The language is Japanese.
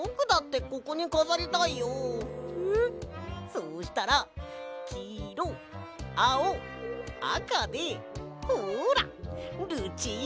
そうしたらきいろあおあかでほら！ルチータカラーだぞ！